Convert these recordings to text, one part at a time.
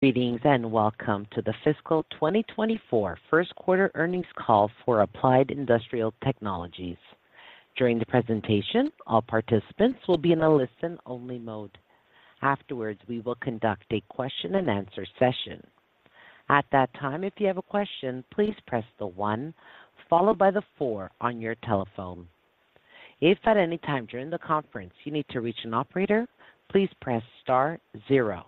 Greetings, and welcome to the Fiscal 2024 First Quarter Earnings Call for Applied Industrial Technologies. During the presentation, all participants will be in a listen-only mode. Afterwards, we will conduct a question-and-answer session. At that time, if you have a question, please press the 1 followed by the 4 on your telephone. If at any time during the conference you need to reach an operator, please press star zero.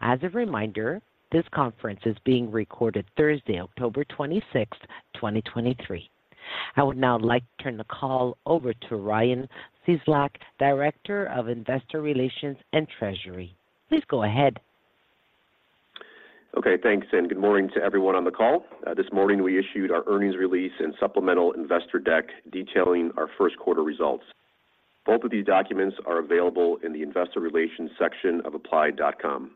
As a reminder, this conference is being recorded Thursday, October 26th, 2023. I would now like to turn the call over to Ryan Cieslak, Director of Investor Relations and Treasury. Please go ahead. Okay, thanks, and good morning to everyone on the call. This morning, we issued our earnings release and supplemental investor deck detailing our first quarter results. Both of these documents are available in the Investor Relations section of applied.com.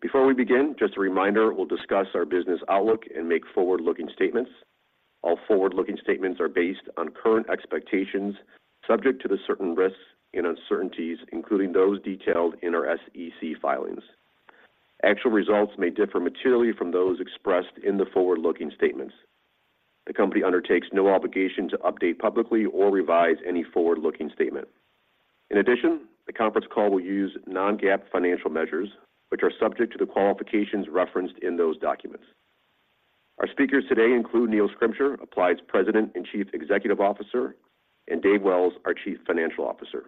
Before we begin, just a reminder, we'll discuss our business outlook and make forward-looking statements. All forward-looking statements are based on current expectations, subject to certain risks and uncertainties, including those detailed in our SEC filings. Actual results may differ materially from those expressed in the forward-looking statements. The company undertakes no obligation to update publicly or revise any forward-looking statement. In addition, the conference call will use non-GAAP financial measures, which are subject to the qualifications referenced in those documents. Our speakers today include Neil Schrimsher, Applied's President and Chief Executive Officer, and Dave Wells, our Chief Financial Officer.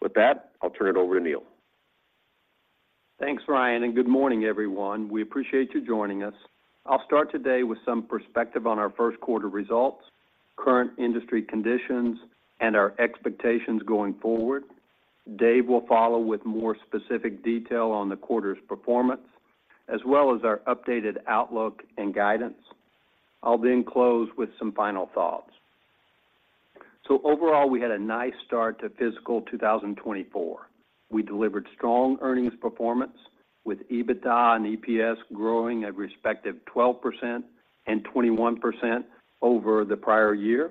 With that, I'll turn it over to Neil. Thanks, Ryan, and good morning, everyone. We appreciate you joining us. I'll start today with some perspective on our first quarter results, current industry conditions, and our expectations going forward. Dave will follow with more specific detail on the quarter's performance, as well as our updated outlook and guidance. I'll then close with some final thoughts. Overall, we had a nice start to fiscal 2024. We delivered strong earnings performance, with EBITDA and EPS growing at respective 12% and 21% over the prior year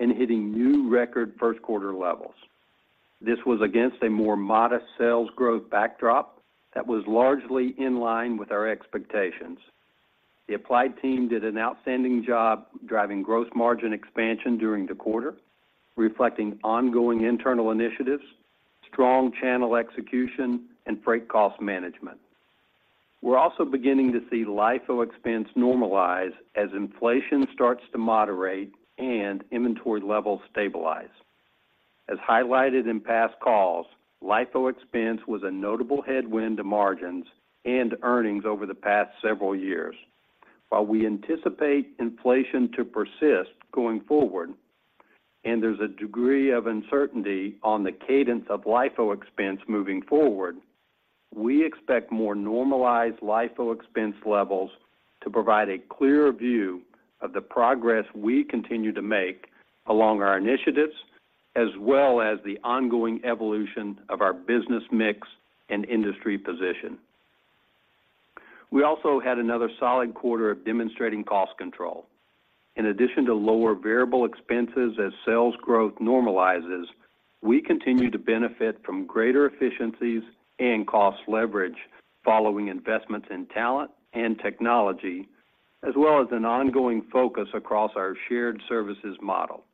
and hitting new record first quarter levels. This was against a more modest sales growth backdrop that was largely in line with our expectations. The Applied team did an outstanding job driving gross margin expansion during the quarter, reflecting ongoing internal initiatives, strong channel execution, and freight cost management. We're also beginning to see LIFO expense normalize as inflation starts to moderate and inventory levels stabilize. As highlighted in past calls, LIFO expense was a notable headwind to margins and earnings over the past several years. While we anticipate inflation to persist going forward, and there's a degree of uncertainty on the cadence of LIFO expense moving forward, we expect more normalized LIFO expense levels to provide a clearer view of the progress we continue to make along our initiatives, as well as the ongoing evolution of our business mix and industry position. We also had another solid quarter of demonstrating cost control. In addition to lower variable expenses as sales growth normalizes, we continue to benefit from greater efficiencies and cost leverage following investments in talent and technology, as well as an ongoing focus across our shared services model.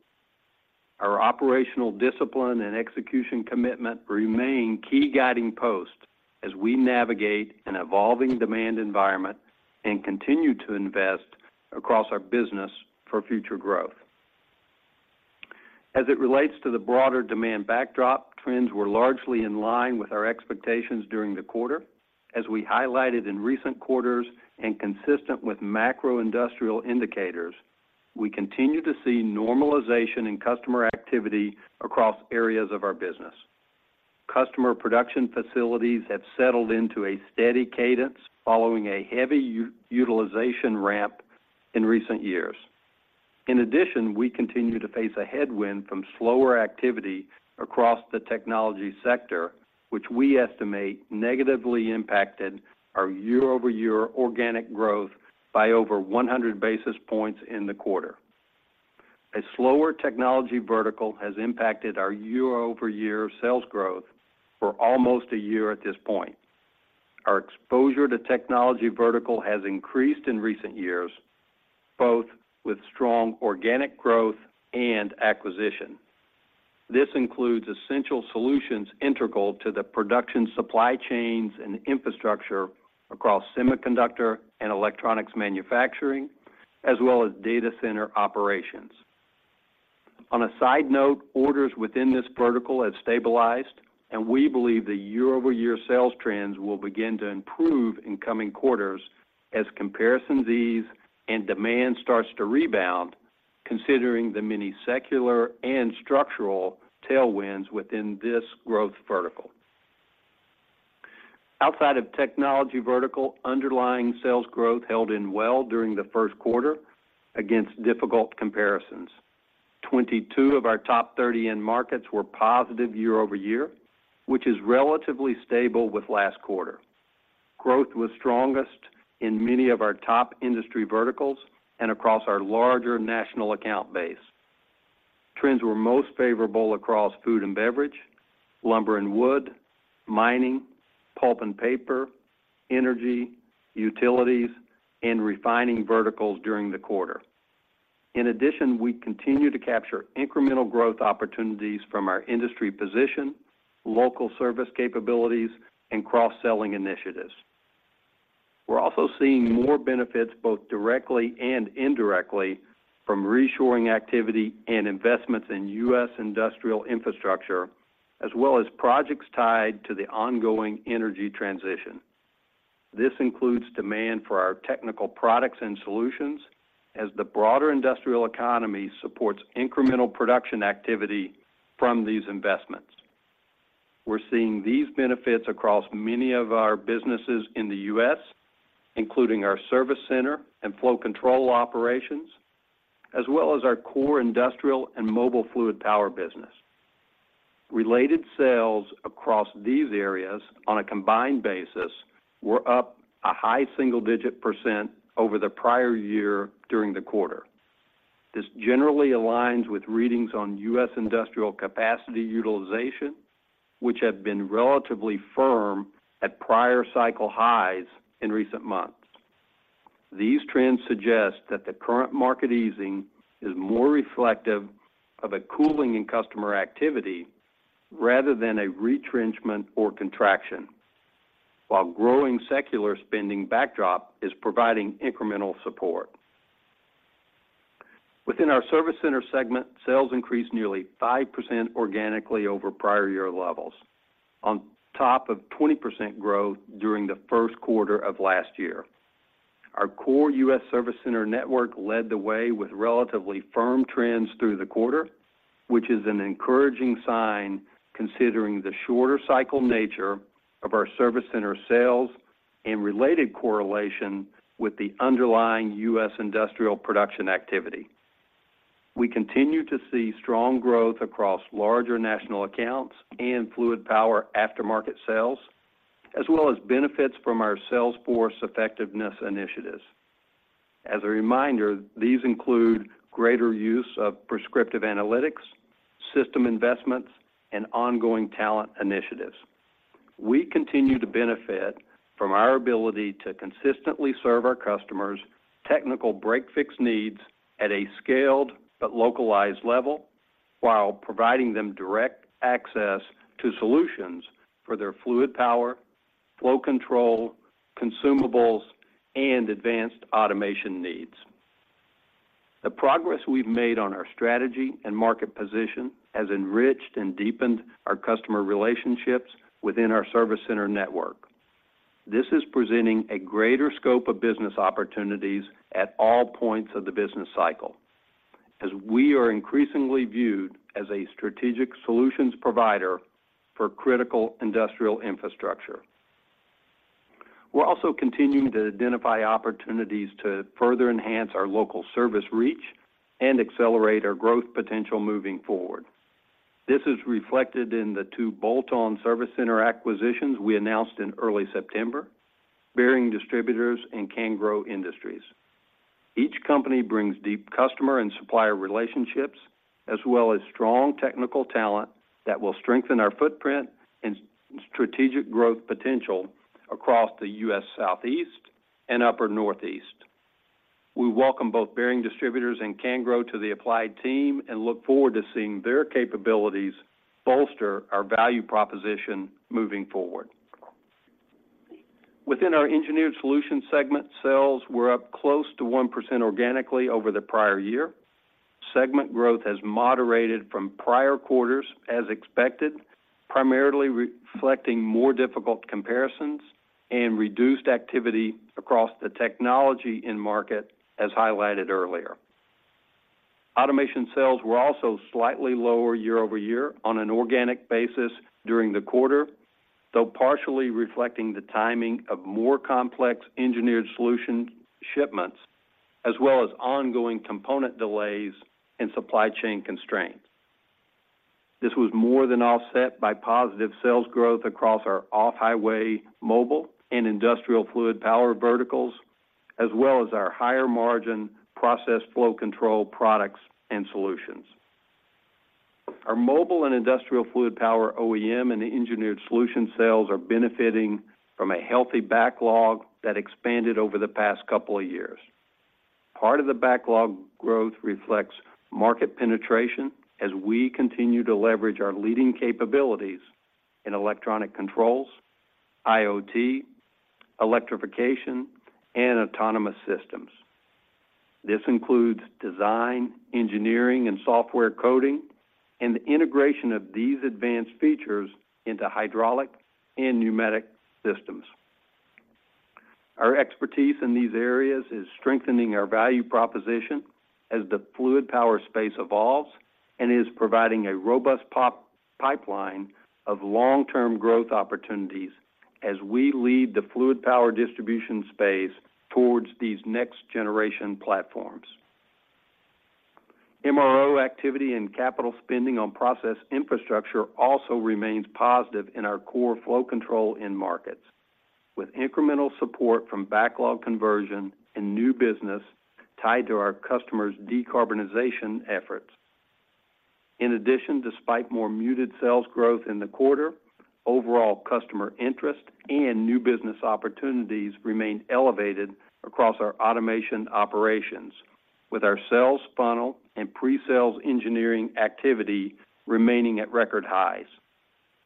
Our operational discipline and execution commitment remain key guiding posts as we navigate an evolving demand environment and continue to invest across our business for future growth. As it relates to the broader demand backdrop, trends were largely in line with our expectations during the quarter. As we highlighted in recent quarters and consistent with macro industrial indicators, we continue to see normalization in customer activity across areas of our business. Customer production facilities have settled into a steady cadence following a heavy utilization ramp in recent years. In addition, we continue to face a headwind from slower activity across the technology sector, which we estimate negatively impacted our year-over-year organic growth by over 100 basis points in the quarter. A slower technology vertical has impacted our year-over-year sales growth for almost a year at this point. Our exposure to technology vertical has increased in recent years, both with strong organic growth and acquisition. This includes essential solutions integral to the production, supply chains, and infrastructure across semiconductor and electronics manufacturing, as well as data center operations. On a side note, orders within this vertical have stabilized, and we believe the year-over-year sales trends will begin to improve in coming quarters as comparison ease and demand starts to rebound, considering the many secular and structural tailwinds within this growth vertical. Outside of technology vertical, underlying sales growth held in well during the first quarter against difficult comparisons. 22 of our top 30 end markets were positive year-over-year, which is relatively stable with last quarter. Growth was strongest in many of our top industry verticals and across our larger national account base. Trends were most favorable across food and beverage, lumber and wood, mining, pulp and paper, energy, utilities, and refining verticals during the quarter. In addition, we continue to capture incremental growth opportunities from our industry position, local service capabilities, and cross-selling initiatives. We're also seeing more benefits, both directly and indirectly, from reshoring activity and investments in U.S. industrial infrastructure, as well as projects tied to the ongoing energy transition. This includes demand for our technical products and solutions as the broader industrial economy supports incremental production activity from these investments. We're seeing these benefits across many of our businesses in the U.S., including our service center and flow control operations, as well as our core industrial and mobile fluid power business. Related sales across these areas on a combined basis were up a high single-digit percent over the prior year during the quarter. This generally aligns with readings on U.S. industrial capacity utilization, which have been relatively firm at prior cycle highs in recent months. These trends suggest that the current market easing is more reflective of a cooling in customer activity rather than a retrenchment or contraction, while growing secular spending backdrop is providing incremental support. Within our Service Center segment, sales increased nearly 5% organically over prior year levels, on top of 20% growth during the first quarter of last year. Our core U.S. Service Center network led the way with relatively firm trends through the quarter, which is an encouraging sign considering the shorter cycle nature of our Service Center sales and related correlation with the underlying U.S. industrial production activity. We continue to see strong growth across larger national accounts and Fluid Power aftermarket sales, as well as benefits from our sales force effectiveness initiatives. As a reminder, these include greater use of prescriptive analytics, system investments, and ongoing talent initiatives. We continue to benefit from our ability to consistently serve our customers' technical break-fix needs at a scaled but localized level while providing them direct access to solutions for their fluid power, flow control, consumables, and advanced automation needs. The progress we've made on our strategy and market position has enriched and deepened our customer relationships within our service center network. This is presenting a greater scope of business opportunities at all points of the business cycle, as we are increasingly viewed as a strategic solutions provider for critical industrial infrastructure. We're also continuing to identify opportunities to further enhance our local service reach and accelerate our growth potential moving forward. This is reflected in the two bolt-on service center acquisitions we announced in early September, Bearing Distributors and Cangro Industries. Each company brings deep customer and supplier relationships, as well as strong technical talent that will strengthen our footprint and strategic growth potential across the U.S. Southeast and U.S. Northeast. We welcome both Bearing Distributors and Cangro to the Applied team and look forward to seeing their capabilities bolster our value proposition moving forward. Within our Engineered Solutions segment, sales were up close to 1% organically over the prior year. Segment growth has moderated from prior quarters, as expected, primarily reflecting more difficult comparisons and reduced activity across the technology end market, as highlighted earlier. Automation sales were also slightly lower year-over-year on an organic basis during the quarter, though partially reflecting the timing of more complex engineered solution shipments, as well as ongoing component delays and supply chain constraints. This was more than offset by positive sales growth across our off-highway mobile and industrial fluid power verticals, as well as our higher-margin process flow control products and solutions. Our mobile and industrial fluid power OEM and the Engineered Solutions sales are benefiting from a healthy backlog that expanded over the past couple of years. Part of the backlog growth reflects market penetration as we continue to leverage our leading capabilities in electronic controls, IoT, electrification, and autonomous systems. This includes design, engineering, and software coding, and the integration of these advanced features into hydraulic and pneumatic systems. Our expertise in these areas is strengthening our value proposition as the fluid power space evolves and is providing a robust pipeline of long-term growth opportunities as we lead the fluid power distribution space towards these next-generation platforms. MRO activity and capital spending on process infrastructure also remains positive in our core flow control end markets. With incremental support from backlog conversion and new business tied to our customers' decarbonization efforts. In addition, despite more muted sales growth in the quarter, overall customer interest and new business opportunities remained elevated across our automation operations, with our sales funnel and pre-sales engineering activity remaining at record highs.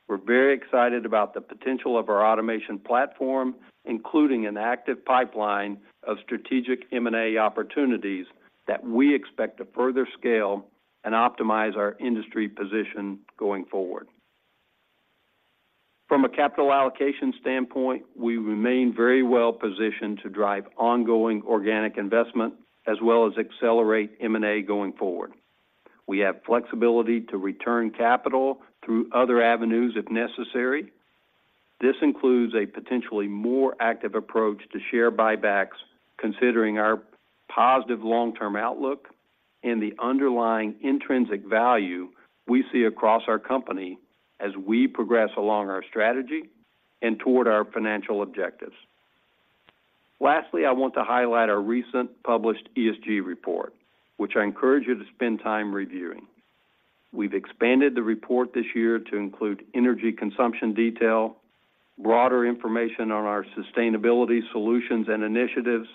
We're very excited about the potential of our automation platform, including an active pipeline of strategic M&A opportunities that we expect to further scale and optimize our industry position going forward. From a capital allocation standpoint, we remain very well positioned to drive ongoing organic investment as well as accelerate M&A going forward. We have flexibility to return capital through other avenues if necessary. This includes a potentially more active approach to share buybacks, considering our positive long-term outlook and the underlying intrinsic value we see across our company as we progress along our strategy and toward our financial objectives. Lastly, I want to highlight our recent published ESG report, which I encourage you to spend time reviewing. We've expanded the report this year to include energy consumption detail, broader information on our sustainability solutions and initiatives,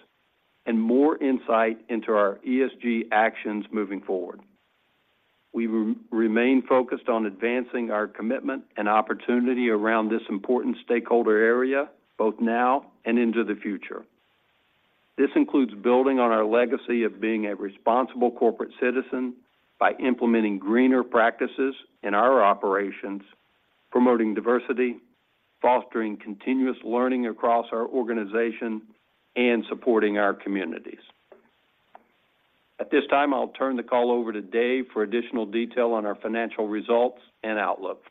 and more insight into our ESG actions moving forward. We remain focused on advancing our commitment and opportunity around this important stakeholder area, both now and into the future. This includes building on our legacy of being a responsible corporate citizen by implementing greener practices in our operations, promoting diversity, fostering continuous learning across our organization, and supporting our communities. At this time, I'll turn the call over to Dave for additional detail on our financial results and outlook.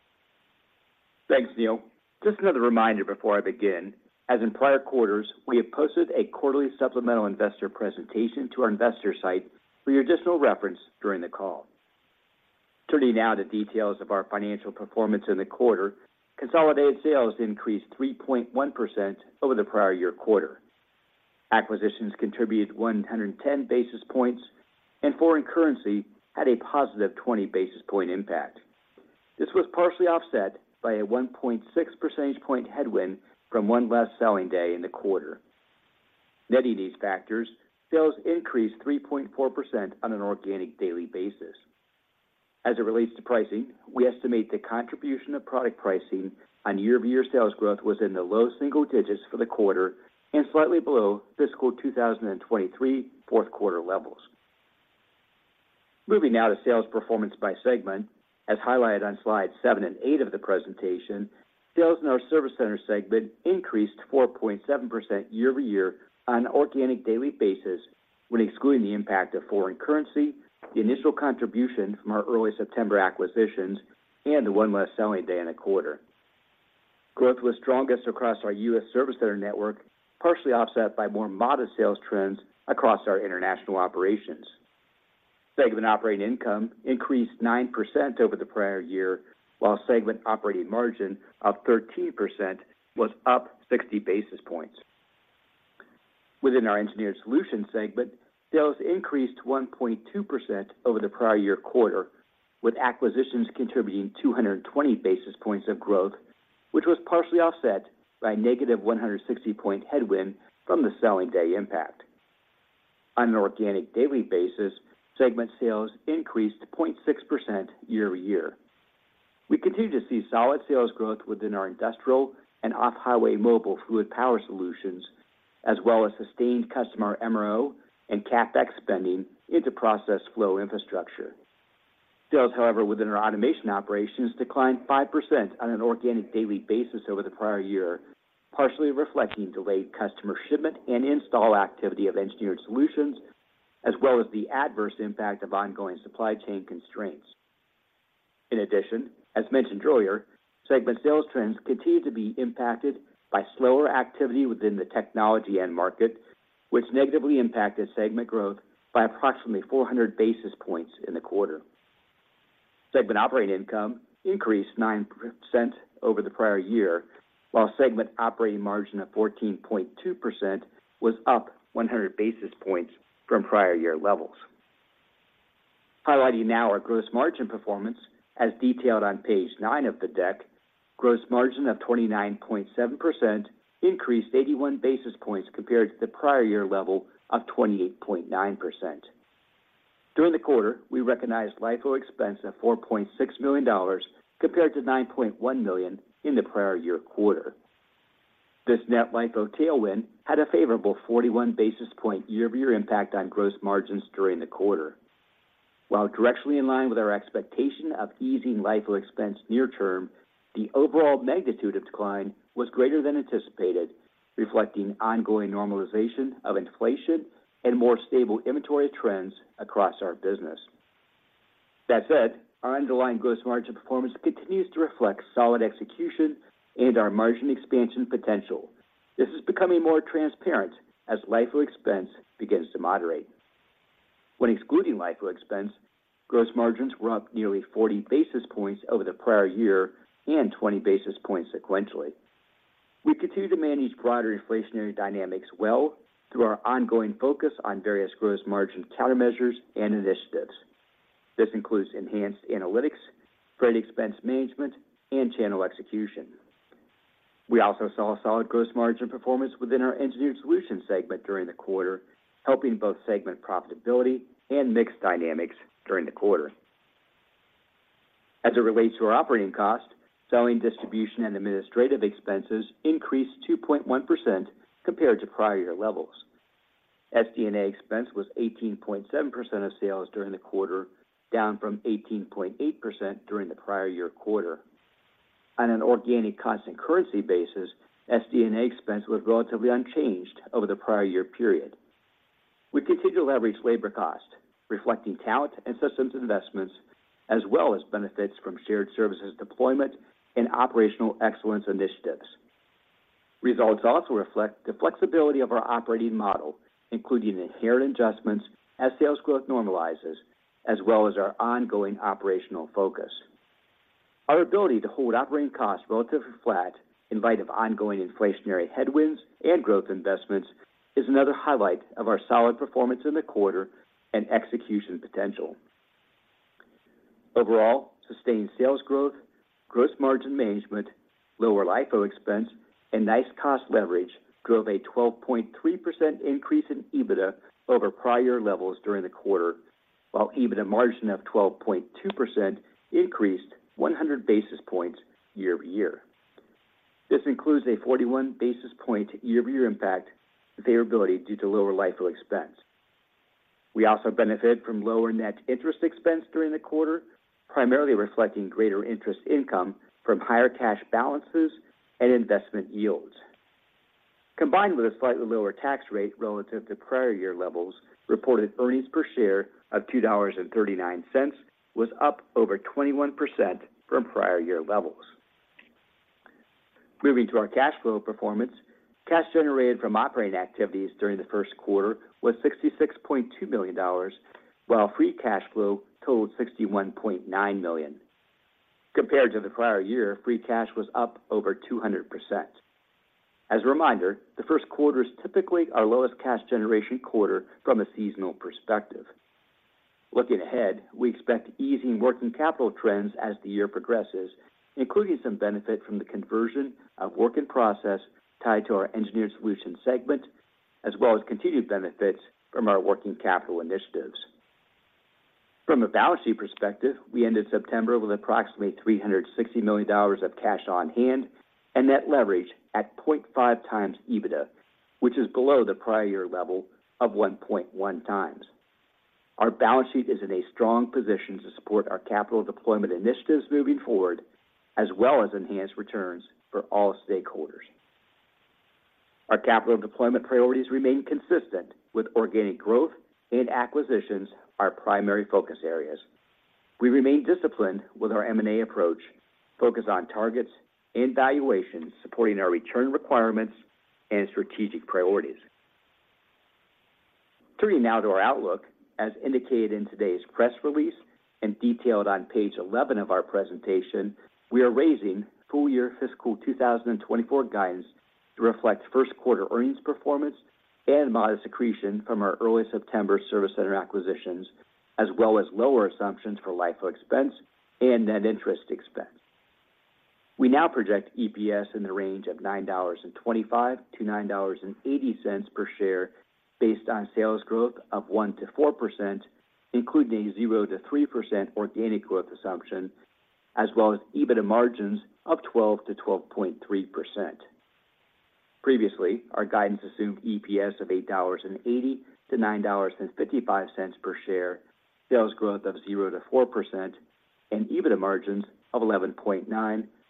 Thanks, Neil. Just another reminder before I begin, as in prior quarters, we have posted a quarterly supplemental investor presentation to our investor site for your additional reference during the call. Turning now to details of our financial performance in the quarter, consolidated sales increased 3.1% over the prior year quarter. Acquisitions contributed 110 basis points, and foreign currency had a positive 20 basis points impact. This was partially offset by a 1.6 percentage points headwind from one less selling day in the quarter. Netting these factors, sales increased 3.4% on an organic daily basis. As it relates to pricing, we estimate the contribution of product pricing on year-over-year sales growth was in the low single-digits for the quarter and slightly below fiscal 2023 fourth quarter levels. Moving now to sales performance by segment. As highlighted on slides 7 and 8 of the presentation, sales in our Service Center segment increased 4.7% year-over-year on an organic daily basis, when excluding the impact of foreign currency, the initial contribution from our early September acquisitions, and the one less selling day in the quarter. Growth was strongest across our U.S. Service Center network, partially offset by more modest sales trends across our international operations. Segment operating income increased 9% over the prior year, while segment operating margin of 13% was up 60 basis points. Within our Engineered Solutions segment, sales increased 1.2% over the prior-year quarter, with acquisitions contributing 220 basis points of growth, which was partially offset by a negative 160-point headwind from the selling day impact. On an organic daily basis, segment sales increased 0.6% year-over-year. We continue to see solid sales growth within our industrial and off-highway mobile fluid power solutions, as well as sustained customer MRO and CapEx spending into process flow infrastructure. Sales, however, within our automation operations declined 5% on an organic daily basis over the prior year, partially reflecting delayed customer shipment and install activity of Engineered Solutions, as well as the adverse impact of ongoing supply chain constraints. In addition, as mentioned earlier, segment sales trends continue to be impacted by slower activity within the technology end market, which negatively impacted segment growth by approximately 400 basis points in the quarter. Segment operating income increased 9% over the prior year, while segment operating margin of 14.2% was up 100 basis points from prior year levels. Highlighting now our gross margin performance as detailed on page 9 of the deck. Gross margin of 29.7% increased 81 basis points compared to the prior year level of 28.9%. During the quarter, we recognized LIFO expense of $4.6 million, compared to $9.1 million in the prior year quarter. This net LIFO tailwind had a favorable 41 basis points year-over-year impact on gross margins during the quarter. While directly in line with our expectation of easing LIFO expense near term, the overall magnitude of decline was greater than anticipated, reflecting ongoing normalization of inflation and more stable inventory trends across our business. That said, our underlying gross margin performance continues to reflect solid execution and our margin expansion potential. This is becoming more transparent as LIFO expense begins to moderate. When excluding LIFO expense, gross margins were up nearly 40 basis points over the prior year and 20 basis points sequentially. We continue to manage broader inflationary dynamics well through our ongoing focus on various gross margin countermeasures and initiatives. This includes enhanced analytics, freight expense management, and channel execution. We also saw a solid gross margin performance within our Engineered Solutions segment during the quarter, helping both segment profitability and mix dynamics during the quarter. As it relates to our operating cost, selling, distribution, and administrative expenses increased 2.1% compared to prior year levels. SD&A expense was 18.7% of sales during the quarter, down from 18.8% during the prior year quarter. On an organic constant currency basis, SD&A expense was relatively unchanged over the prior year period. We continue to leverage labor costs, reflecting talent and systems investments, as well as benefits from shared services deployment and operational excellence initiatives. Results also reflect the flexibility of our operating model, including inherent adjustments as sales growth normalizes, as well as our ongoing operational focus. Our ability to hold operating costs relatively flat in light of ongoing inflationary headwinds and growth investments is another highlight of our solid performance in the quarter and execution potential. Overall, sustained sales growth, gross margin management, lower LIFO expense, and nice cost leverage drove a 12.3% increase in EBITDA over prior levels during the quarter, while EBITDA margin of 12.2% increased 100 basis points year-over-year. This includes a 41 basis point year-over-year impact variability due to lower LIFO expense. We also benefited from lower net interest expense during the quarter, primarily reflecting greater interest income from higher cash balances and investment yields. Combined with a slightly lower tax rate relative to prior year levels, reported earnings per share of $2.39 was up over 21% from prior year levels. Moving to our cash flow performance, cash generated from operating activities during the first quarter was $66.2 million, while free cash flow totaled $61.9 million. Compared to the prior year, free cash was up over 200%. As a reminder, the first quarter is typically our lowest cash generation quarter from a seasonal perspective. Looking ahead, we expect easing working capital trends as the year progresses, including some benefit from the conversion of work in process tied to our Engineered Solutions segment, as well as continued benefits from our working capital initiatives. From a balance sheet perspective, we ended September with approximately $360 million of cash on hand and net leverage at 0.5x EBITDA, which is below the prior year level of 1.1x. Our balance sheet is in a strong position to support our capital deployment initiatives moving forward, as well as enhanced returns for all stakeholders. Our capital deployment priorities remain consistent, with organic growth and acquisitions our primary focus areas. We remain disciplined with our M&A approach, focused on targets and valuations supporting our return requirements and strategic priorities. Turning now to our outlook, as indicated in today's press release and detailed on page 11 of our presentation, we are raising full year fiscal 2024 guidance to reflect first quarter earnings performance and modest accretion from our early September Service Center acquisitions, as well as lower assumptions for LIFO expense and net interest expense. We now project EPS in the range of $9.25-$9.80 per share, based on sales growth of 1%-4%, including a 0%-3% organic growth assumption, as well as EBITDA margins of 12%-12.3%. Previously, our guidance assumed EPS of $8.80-$9.55 per share, sales growth of 0%-4%, and EBITDA margins of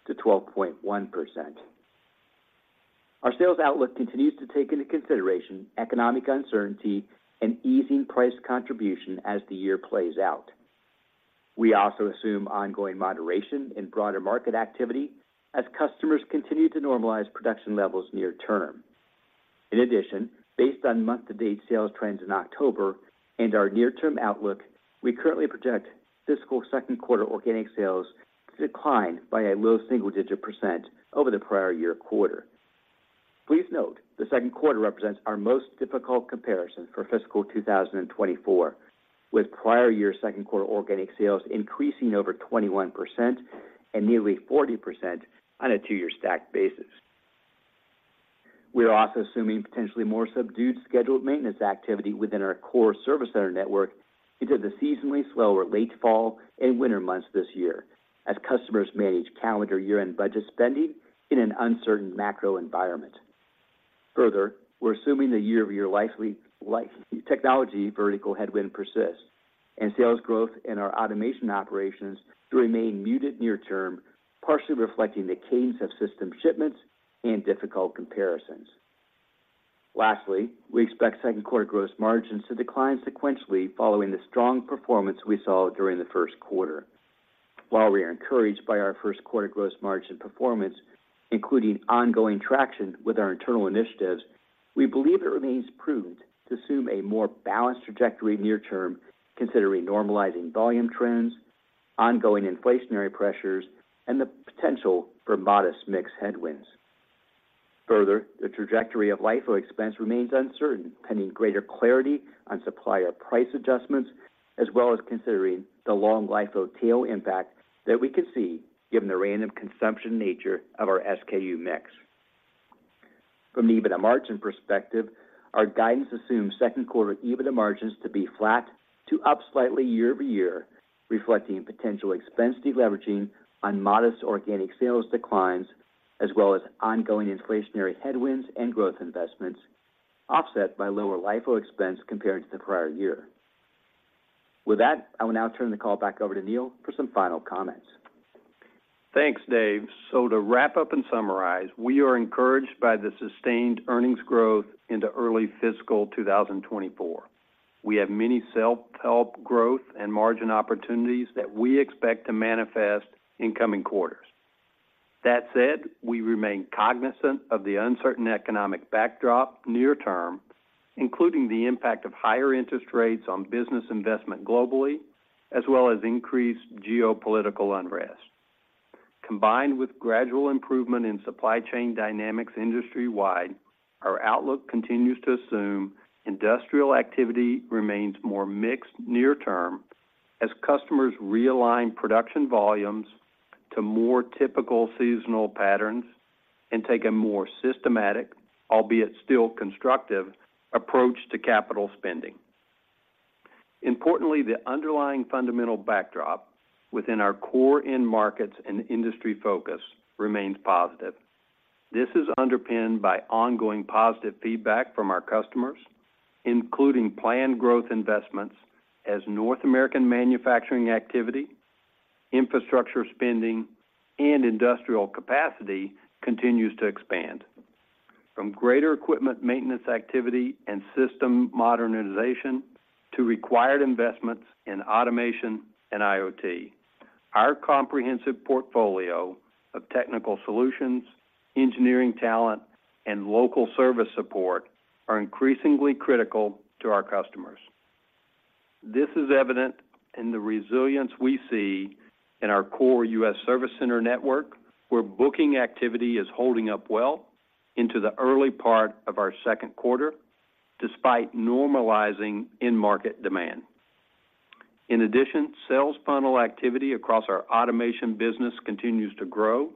11.9%-12.1%. Our sales outlook continues to take into consideration economic uncertainty and easing price contribution as the year plays out. We also assume ongoing moderation in broader market activity as customers continue to normalize production levels near term. In addition, based on month-to-date sales trends in October and our near-term outlook, we currently project fiscal second quarter organic sales to decline by a low single-digit percent over the prior year quarter. Please note, the second quarter represents our most difficult comparison for fiscal 2024, with prior year second quarter organic sales increasing over 21% and nearly 40% on a two-year stacked basis. We are also assuming potentially more subdued scheduled maintenance activity within our core Service Center network into the seasonally slower late fall and winter months this year, as customers manage calendar year-end budget spending in an uncertain macro environment. Further, we're assuming the year-over-year technology vertical headwind persists and sales growth in our automation operations to remain muted near term, partially reflecting the cadence of system shipments and difficult comparisons. Lastly, we expect second quarter gross margins to decline sequentially following the strong performance we saw during the first quarter. While we are encouraged by our first quarter gross margin performance, including ongoing traction with our internal initiatives, we believe it remains prudent to assume a more balanced trajectory near term, considering normalizing volume trends, ongoing inflationary pressures, and the potential for modest mix headwinds. Further, the trajectory of LIFO expense remains uncertain, pending greater clarity on supplier price adjustments, as well as considering the long LIFO tail impact that we could see, given the random consumption nature of our SKU mix. From even a margin perspective, our guidance assumes second quarter EBITDA margins to be flat to up slightly year-over-year, reflecting potential expense deleveraging on modest organic sales declines, as well as ongoing inflationary headwinds and growth investments, offset by lower LIFO expense compared to the prior year. With that, I will now turn the call back over to Neil for some final comments. Thanks, Dave. So to wrap up and summarize, we are encouraged by the sustained earnings growth into early fiscal 2024. We have many self-help growth and margin opportunities that we expect to manifest in coming quarters. That said, we remain cognizant of the uncertain economic backdrop near term, including the impact of higher interest rates on business investment globally, as well as increased geopolitical unrest. Combined with gradual improvement in supply chain dynamics industry-wide, our outlook continues to assume industrial activity remains more mixed near term as customers realign production volumes to more typical seasonal patterns and take a more systematic, albeit still constructive, approach to capital spending. Importantly, the underlying fundamental backdrop within our core end markets and industry focus remains positive. This is underpinned by ongoing positive feedback from our customers, including planned growth investments as North American manufacturing activity, infrastructure spending, and industrial capacity continues to expand. From greater equipment maintenance activity and system modernization to required investments in automation and IoT, our comprehensive portfolio of technical solutions, engineering talent, and local service support are increasingly critical to our customers. This is evident in the resilience we see in our core U.S. Service Center network, where booking activity is holding up well into the early part of our second quarter, despite normalizing end market demand. In addition, sales funnel activity across our automation business continues to grow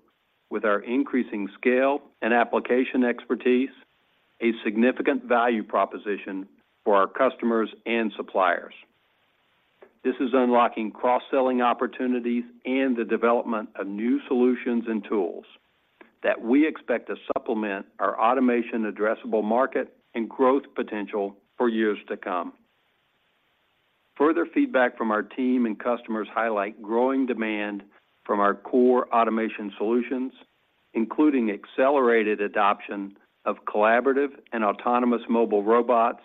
with our increasing scale and application expertise, a significant value proposition for our customers and suppliers. This is unlocking cross-selling opportunities and the development of new solutions and tools that we expect to supplement our automation addressable market and growth potential for years to come. Further feedback from our team and customers highlight growing demand from our core automation solutions, including accelerated adoption of collaborative and autonomous mobile robots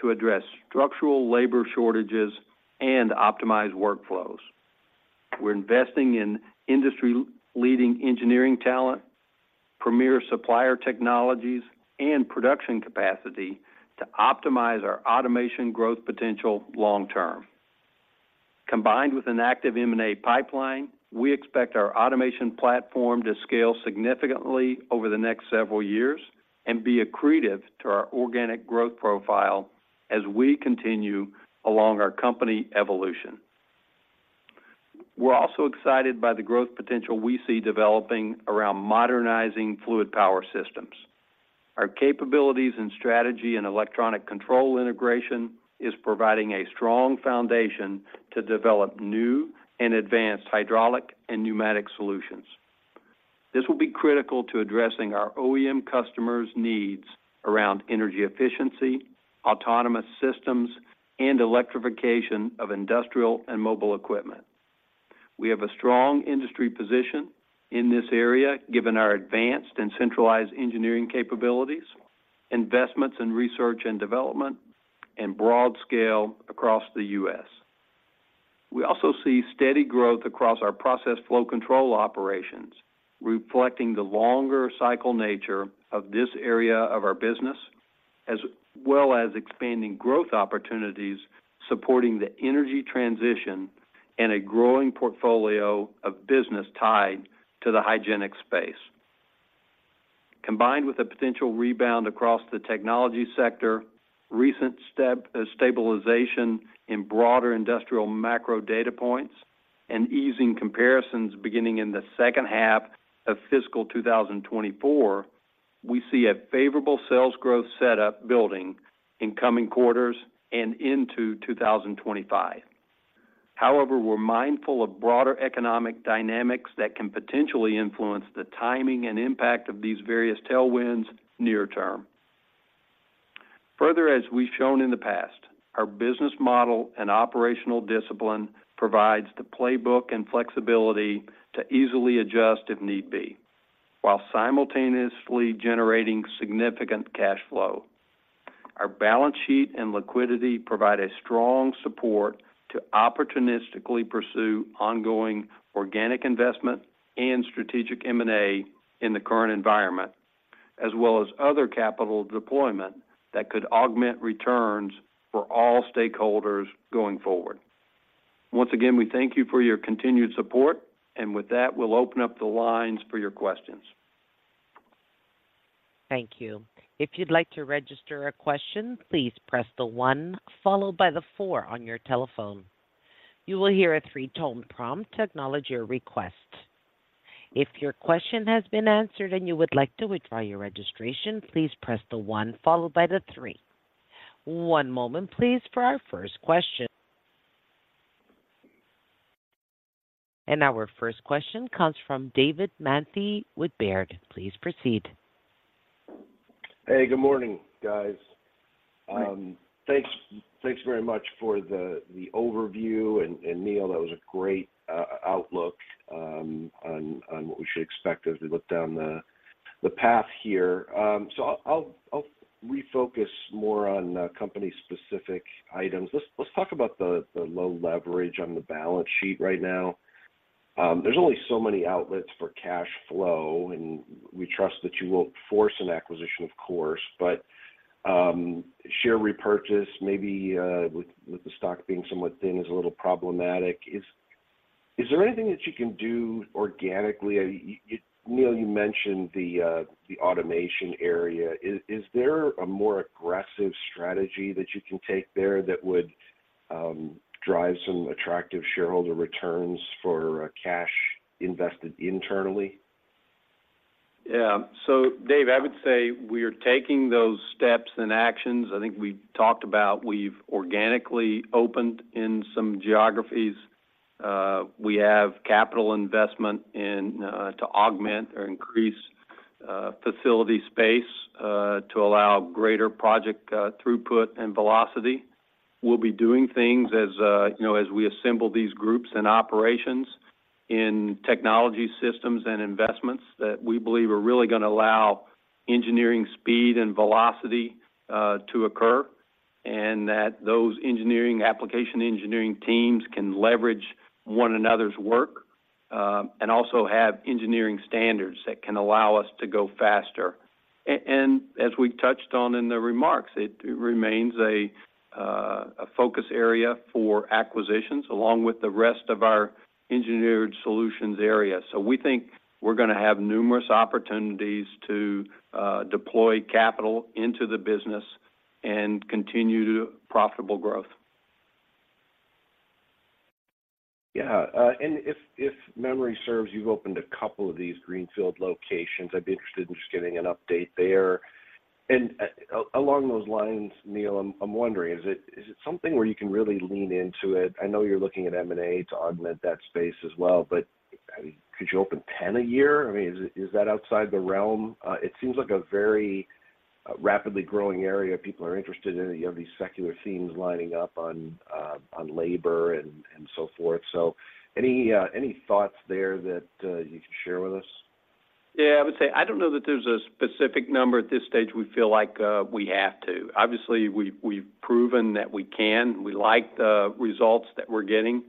to address structural labor shortages and optimize workflows. We're investing in industry-leading engineering talent, premier supplier technologies, and production capacity to optimize our automation growth potential long term. Combined with an active M&A pipeline, we expect our automation platform to scale significantly over the next several years and be accretive to our organic growth profile as we continue along our company evolution. We're also excited by the growth potential we see developing around modernizing fluid power systems. Our capabilities and strategy in electronic control integration is providing a strong foundation to develop new and advanced hydraulic and pneumatic solutions. This will be critical to addressing our OEM customers' needs around energy efficiency, autonomous systems, and electrification of industrial and mobile equipment. We have a strong industry position in this area, given our advanced and centralized engineering capabilities, investments in research and development, and broad scale across the U.S. We also see steady growth across our process flow control operations, reflecting the longer cycle nature of this area of our business, as well as expanding growth opportunities, supporting the energy transition and a growing portfolio of business tied to the hygienic space. Combined with a potential rebound across the technology sector, recent stabilization in broader industrial macro data points, and easing comparisons beginning in the second half of fiscal 2024, we see a favorable sales growth setup building in coming quarters and into 2025. However, we're mindful of broader economic dynamics that can potentially influence the timing and impact of these various tailwinds near term. Further, as we've shown in the past, our business model and operational discipline provides the playbook and flexibility to easily adjust if need be, while simultaneously generating significant cash flow. Our balance sheet and liquidity provide a strong support to opportunistically pursue ongoing organic investment and strategic M&A in the current environment, as well as other capital deployment that could augment returns for all stakeholders going forward. Once again, we thank you for your continued support, and with that, we'll open up the lines for your questions. Thank you. If you'd like to register a question, please press the one followed by the four on your telephone. You will hear a 3-tone prompt to acknowledge your request. If your question has been answered and you would like to withdraw your registration, please press the one followed by the three. One moment, please, for our first question. Our first question comes from David Manthey with Baird. Please proceed. Hey, good morning, guys. Thanks, thanks very much for the, the overview, and, and Neil, that was a great outlook on, on what we should expect as we look down the, the path here. So I'll, I'll, I'll refocus more on company-specific items. Let's, let's talk about the, the low leverage on the balance sheet right now. There's only so many outlets for cash flow, and we trust that you won't force an acquisition, of course, but share repurchase, maybe, with, with the stock being somewhat thin is a little problematic. Is there anything that you can do organically? Neil, you mentioned the, the automation area. Is there a more aggressive strategy that you can take there that would drive some attractive shareholder returns for cash invested internally? Yeah. Dave, I would say we are taking those steps and actions. I think we talked about we've organically opened in some geographies. We have capital investment in to augment or increase facility space to allow greater project throughput and velocity. We'll be doing things as, you know, as we assemble these groups and operations in technology systems and investments that we believe are really gonna allow engineering speed and velocity to occur, and that those engineering, application engineering teams can leverage one another's work, and also have engineering standards that can allow us to go faster. As we've touched on in the remarks, it remains a focus area for acquisitions, along with the rest of our engineered solutions area. So we think we're gonna have numerous opportunities to deploy capital into the business and continue the profitable growth. Yeah. And if, if memory serves, you've opened a couple of these greenfield locations. I'd be interested in just getting an update there. And, along those lines, Neil, I'm wondering, is it something where you can really lean into it? I know you're looking at M&A to augment that space as well, but, I mean, could you open 10 a year? I mean, is that outside the realm? It seems like a very rapidly growing area people are interested in. You have these secular themes lining up on, on labor and so forth. So any thoughts there that you can share with us? Yeah, I would say I don't know that there's a specific number at this stage we feel like we have to. Obviously, we've proven that we can. We like the results that we're getting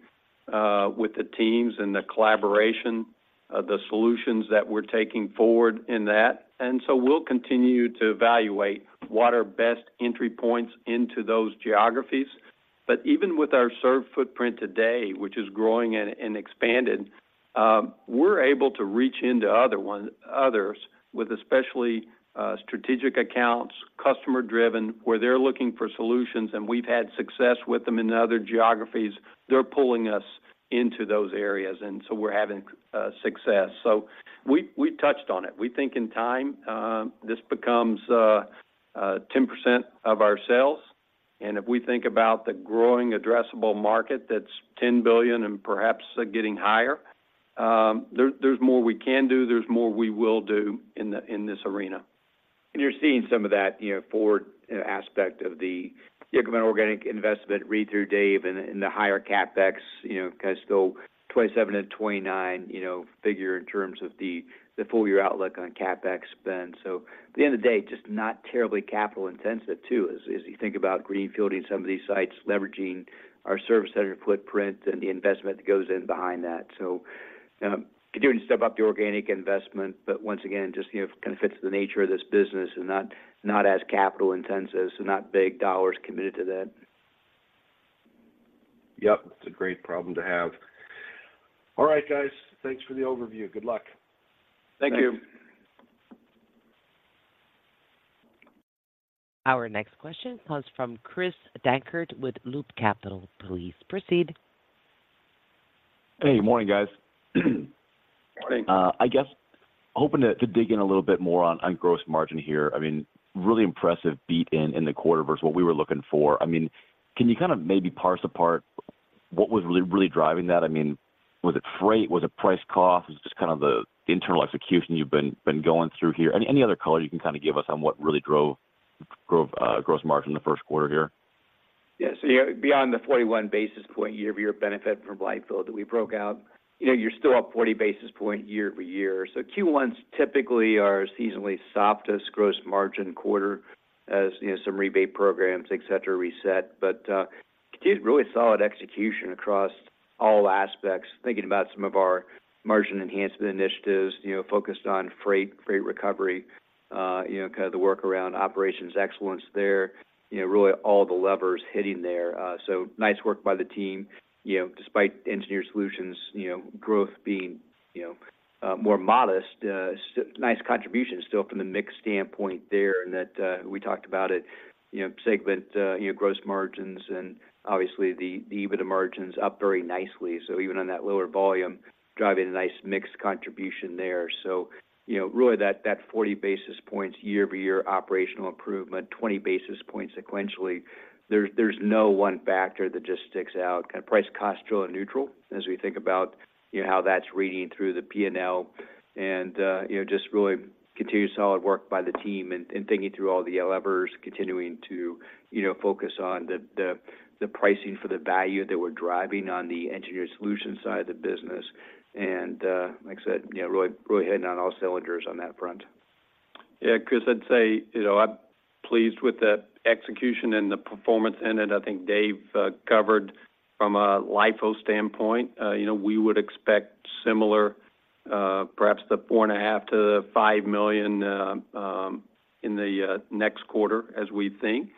with the teams and the collaboration, the solutions that we're taking forward in that. And so we'll continue to evaluate what are best entry points into those geographies. But even with our served footprint today, which is growing and expanded, we're able to reach into others with especially strategic accounts, customer driven, where they're looking for solutions, and we've had success with them in other geographies. They're pulling us into those areas, and so we're having success. So we touched on it. We think in time, this becomes 10% of our sales, and if we think about the growing addressable market, that's $10 billion and perhaps getting higher. There's more we can do. There's more we will do in this arena. And you're seeing some of that, you know, forward aspect of the increment organic investment read through Dave and the, and the higher CapEx, you know, kind of go 27-29, you know, figure in terms of the, the full year outlook on CapEx spend. So at the end of the day, just not terribly capital intensive too, as, as you think about greenfielding some of these sites, leveraging our Service Center footprint and the investment that goes in behind that. So, continuing to step up the organic investment, but once again, just, you know, kind of fits the nature of this business and not, not as capital intensive, so not big dollars committed to that. Yep. It's a great problem to have. All right, guys. Thanks for the overview. Good luck. Thank you. Our next question comes from Chris Dankert with Loop Capital. Please proceed. Hey, good morning, guys. Morning. I guess, hoping to dig in a little bit more on gross margin here. I mean, really impressive beat in the quarter versus what we were looking for. I mean, can you kind of maybe parse apart what was really driving that? I mean, was it freight? Was it price cost? Was it just kind of the internal execution you've been going through here? Any other color you can kind of give us on what really drove gross margin in the first quarter here?... Yeah, so yeah beyond the 41 basis point year-over-year benefit from LIFO that we broke out, you know, you're still up 40 basis points year-over-year. So Q1's typically are seasonally soft as gross margin quarter as, you know, some rebate programs, etc., reset. But did really solid execution across all aspects. Thinking about some of our margin enhancement initiatives, you know, focused on freight, freight recovery, you know, kind of the workaround operations excellence there, you know, really all the levers hitting there. So nice work by the team, you know, despite Engineered Solutions, you know, growth being, you know, more modest, nice contribution still from the mix standpoint there. And that, we talked about it, you know, segment, you know, gross margins and obviously the, the EBITDA margins up very nicely. So even on that lower volume, driving a nice mixed contribution there. So, you know, really that, that 40 basis points year-over-year operational improvement, 20 basis points sequentially, there's, there's no one factor that just sticks out. Kind of price cost still in neutral as we think about, you know, how that's reading through the P&L and, you know, just really continued solid work by the team and, and thinking through all the levers, continuing to, you know, focus on the, the, the pricing for the value that we're driving on the Engineered Solutions side of the business. And, like I said, you know, really, really hitting on all cylinders on that front. Yeah, Chris, I'd say, you know, I'm pleased with the execution and the performance in it. I think Dave covered from a LIFO standpoint. You know, we would expect similar, perhaps $4.5 million-$5 million in the next quarter, as we think.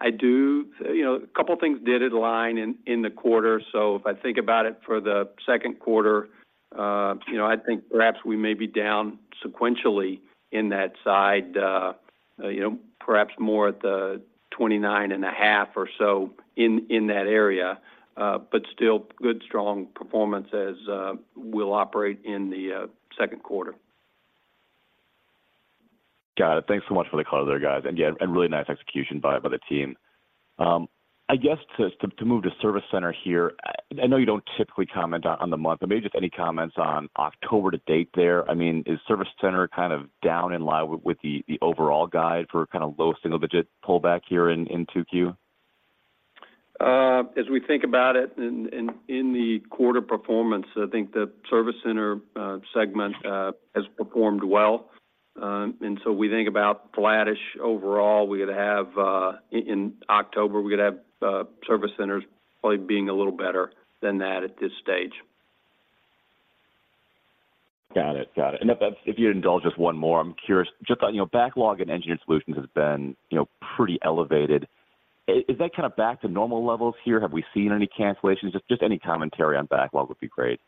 You know, a couple of things did align in the quarter. So if I think about it for the second quarter, you know, I think perhaps we may be down sequentially in that side, you know, perhaps more at the $29.5 million or so in that area, but still good, strong performance as we'll operate in the second quarter. Got it. Thanks so much for the color there, guys. Yeah, really nice execution by the team. I guess to move to service center here. I know you don't typically comment on the month, but maybe just any comments on October to date there? I mean, is Service Center kind of down in line with the overall guide for kind of low single-digit pullback here in 2Q? As we think about it in the quarter performance, I think the Service Center segment has performed well. And so we think about flattish overall. We could have, in October, we could have, Service Centers probably being a little better than that at this stage. Got it. Got it. And if that's, if you indulge just one more, I'm curious, just on, you know, backlog and engineered solutions has been, you know, pretty elevated. Is that kind of back to normal levels here? Have we seen any cancellations? Just, just any commentary on backlog would be great.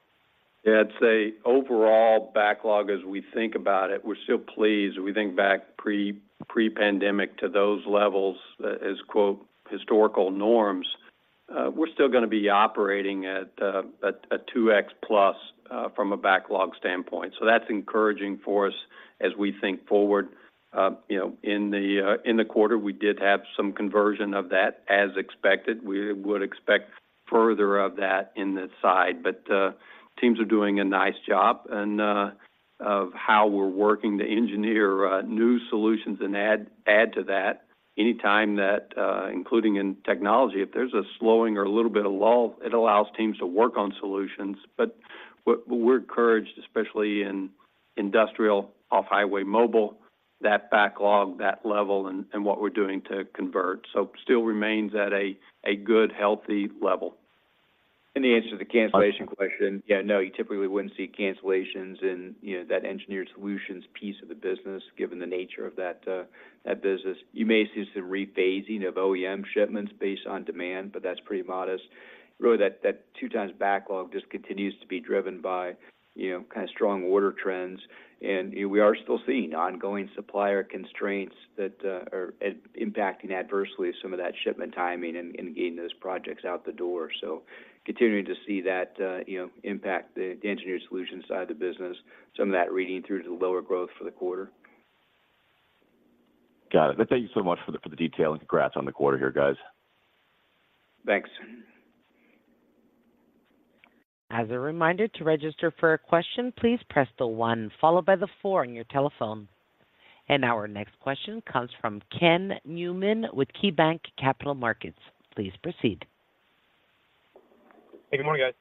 Yeah, I'd say overall backlog, as we think about it, we're still pleased. We think back pre-pandemic to those levels as, quote, "historical norms." We're still gonna be operating at a +2x from a backlog standpoint. So that's encouraging for us as we think forward. You know, in the quarter, we did have some conversion of that as expected. We would expect further of that in this side, but the teams are doing a nice job and of how we're working to engineer new solutions and add to that anytime that including in technology, if there's a slowing or a little bit of lull, it allows teams to work on solutions. But we're encouraged, especially in industrial, off-highway mobile, that backlog, that level, and what we're doing to convert. Still remains at a good, healthy level. And the answer to the cancellation question, yeah, no, you typically wouldn't see cancellations in, you know, that Engineered Solutions piece of the business, given the nature of that business. You may see some rephasing of OEM shipments based on demand, but that's pretty modest. Really, that 2x backlog just continues to be driven by, you know, kind of strong order trends. And we are still seeing ongoing supplier constraints that are impacting adversely some of that shipment timing and getting those projects out the door. So continuing to see that, you know, impact the Engineered Solutions side of the business, some of that reading through to the lower growth for the quarter. Got it. Thank you so much for the, for the detail, and congrats on the quarter here, guys. Thanks. As a reminder to register for a question, please press the one followed by the four on your telephone. Our next question comes from Ken Newman with KeyBanc Capital Markets. Please proceed. Hey, good morning, guys.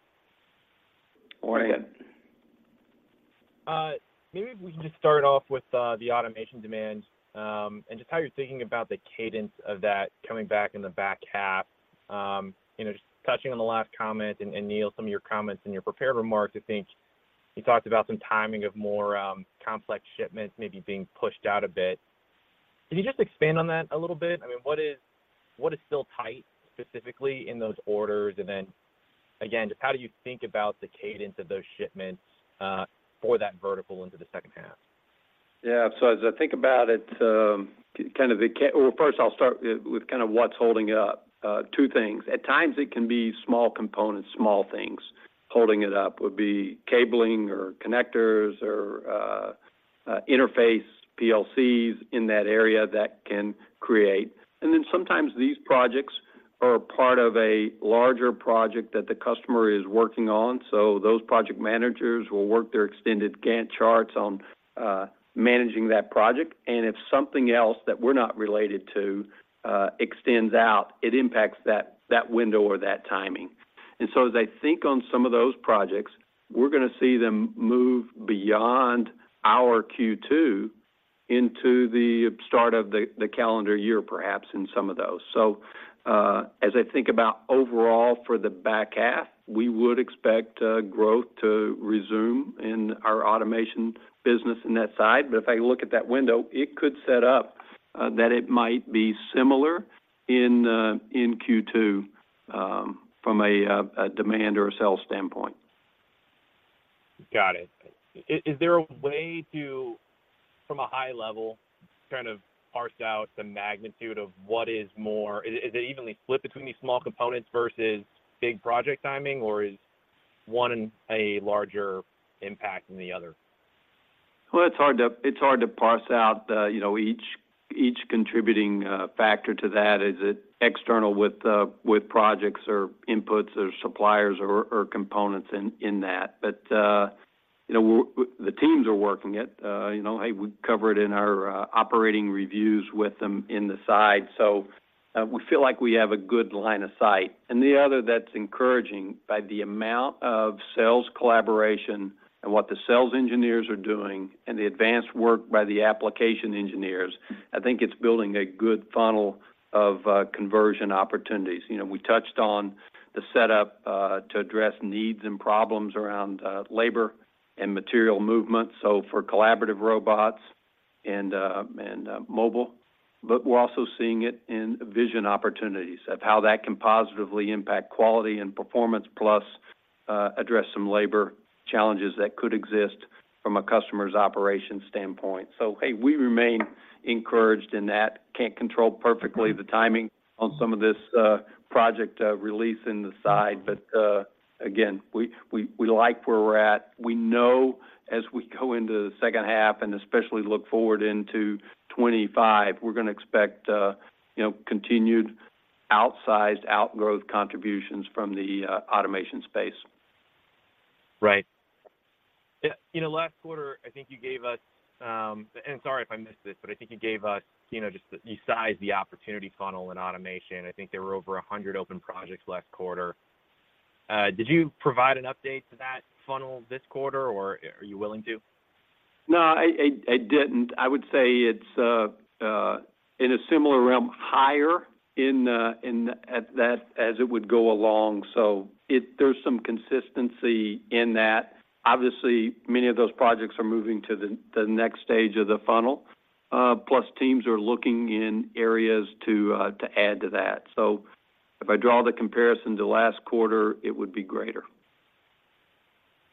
Good morning. Maybe if we can just start off with the automation demand, and just how you're thinking about the cadence of that coming back in the back half. You know, just touching on the last comment and, and Neil, some of your comments in your prepared remarks, I think you talked about some timing of more complex shipments maybe being pushed out a bit. Can you just expand on that a little bit? I mean, what is, what is still tight specifically in those orders? And then again, just how do you think about the cadence of those shipments for that vertical into the second half? Yeah. As I think about it, kind of the ca-- Well, first I'll start with kind of what's holding it up. Two things. At times, it can be small components, small things. Holding it up would be cabling or connectors or interface PLCs in that area that can create. Sometimes these projects are part of a larger project that the customer is working on. Those project managers will work their extended Gantt charts on managing that project. If something else that we're not related to extends out, it impacts that window or that timing. As I think on some of those projects, we're going to see them move beyond our Q2 into the start of the calendar year, perhaps in some of those. So, as I think about overall for the back half, we would expect growth to resume in our automation business in that side. But if I look at that window, it could set up that it might be similar in Q2, from a demand or a sales standpoint. Got it. Is there a way to, from a high level, kind of parse out the magnitude of what is more? Is it evenly split between these small components versus big project timing, or is one in a larger impact than the other? Well, it's hard to, it's hard to parse out the, you know, each, each contributing factor to that. Is it external with, with projects or inputs or suppliers or, or components in, in that? But, you know, the teams are working it. You know, hey, we cover it in our, operating reviews with them in the side. So, we feel like we have a good line of sight. And the other that's encouraging, by the amount of sales collaboration and what the sales engineers are doing and the advanced work by the application engineers, I think it's building a good funnel of, conversion opportunities. You know, we touched on the setup, to address needs and problems around, labor and material movement, so for collaborative robots and, and, mobile. But we're also seeing it in vision opportunities, of how that can positively impact quality and performance, plus, address some labor challenges that could exist from a customer's operations standpoint. So, hey, we remain encouraged in that. Can't control perfectly the timing on some of this, project release in the side, but, again, we like where we're at. We know as we go into the second half, and especially look forward into 2025, we're going to expect, you know, continued outsized outgrowth contributions from the, automation space. Right. Yeah, you know, last quarter, I think you gave us, and sorry if I missed it, but I think you gave us, you know, just you sized the opportunity funnel in automation. I think there were over 100 open projects last quarter. Did you provide an update to that funnel this quarter, or are you willing to? No, I didn't. I would say it's in a similar realm, higher in the at that as it would go along. So there's some consistency in that. Obviously, many of those projects are moving to the next stage of the funnel. Plus, teams are looking in areas to add to that. So if I draw the comparison to last quarter, it would be greater.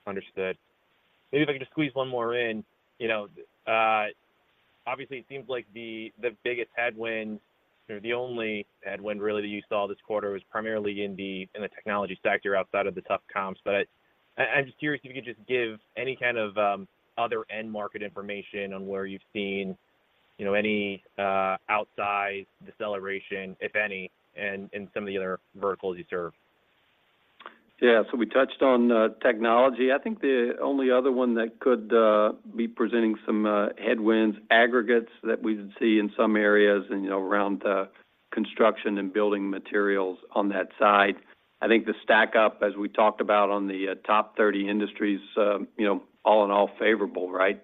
Understood. Maybe if I could just squeeze one more in. You know, obviously, it seems like the biggest headwind or the only headwind, really, that you saw this quarter was primarily in the technology sector outside of the tough comps. But I'm just curious if you could just give any kind of other end market information on where you've seen, you know, any outsized deceleration, if any, in some of the other verticals you serve. Yeah. So we touched on technology. I think the only other one that could be presenting some headwinds, aggregates that we see in some areas and, you know, around construction and building materials on that side. I think the stack up, as we talked about on the top 30 industries, you know, all in all favorable, right?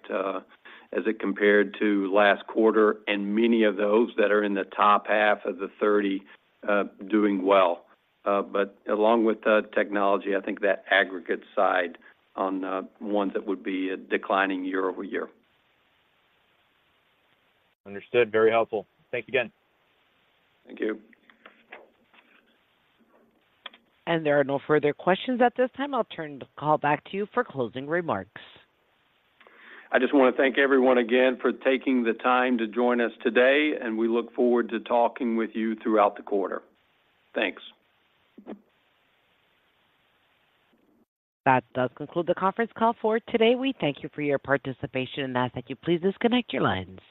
As it compared to last quarter, and many of those that are in the top half of the 30 doing well. But along with the technology, I think that aggregate side on the ones that would be declining year-over-year. Understood. Very helpful. Thank you again. Thank you. There are no further questions at this time. I'll turn the call back to you for closing remarks. I just want to thank everyone again for taking the time to join us today, and we look forward to talking with you throughout the quarter. Thanks. That does conclude the conference call for today. We thank you for your participation, and I thank you. Please disconnect your lines.